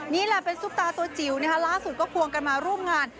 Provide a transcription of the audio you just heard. นี่แหละเป็นซุปตาตัวจิ๋วนะคะล่าสุดก็ควงกันมาร่วมงาน